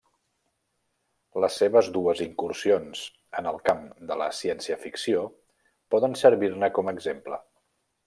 Les seves dues incursions en el camp de la ciència-ficció poden servir-ne com a exemple.